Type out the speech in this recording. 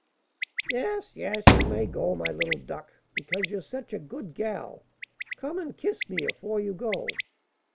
"Yes, yes, you may go, my little duck, because you're such a good gal. Come and kiss me afore you go."